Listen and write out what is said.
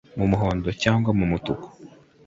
mu muhondo cyangwa mu mutuku